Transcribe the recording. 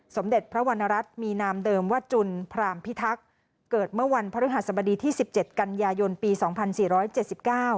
สมเด็จพระวรรณรัฐมีนามเดิมว่าจุนพรามพิทักษ์เกิดเมื่อวันพระฤหัสบดีที่สิบเจ็ดกันยายนปีสองพันสี่ร้อยเจ็ดสิบเก้า